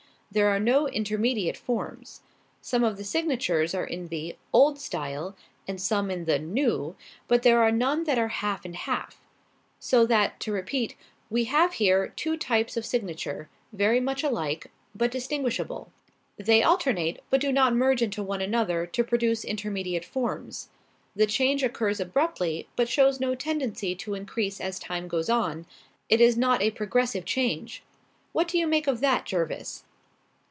There are no intermediate forms. Some of the signatures are in the 'old style' and some in the 'new,' but there are none that are half and half. So that, to repeat: We have here two types of signature, very much alike, but distinguishable. They alternate, but do not merge into one another to produce intermediate forms. The change occurs abruptly, but shows no tendency to increase as time goes on; it is not a progressive change. What do you make of that, Jervis?"